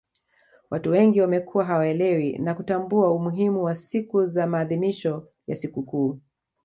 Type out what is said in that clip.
watu wengi wamekuwa hawaelewi na kutambua umuhimu wa siku za maadhimisho ya sikukuu